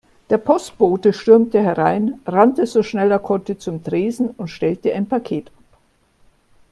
Der Postbote stürmte herein, rannte so schnell er konnte zum Tresen und stellte ein Paket ab.